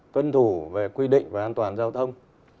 tuân thủ về quy định về an toàn giao thông